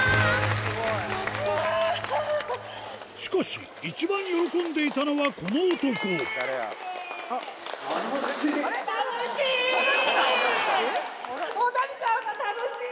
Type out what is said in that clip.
しかし、一番喜んでいたのは楽しい！